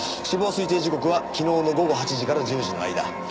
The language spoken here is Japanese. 死亡推定時刻は昨日の午後８時から１０時の間。